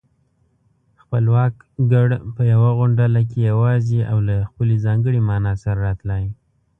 خپلواک گړ په يوه غونډله کې يواځې او له خپلې ځانګړې مانا سره راتلای